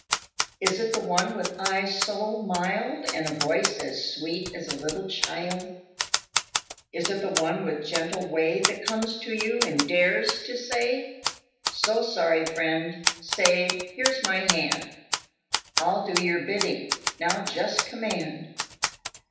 Is it the one with eyes so mild And voice as sweet as a little child Is it the one with gentle way That comes to you and dares to say: So sorry, friend; say, here's my hand, I'll do your bidding; now just command?